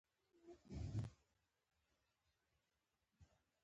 پیاز د ساه بوی اغېزمنوي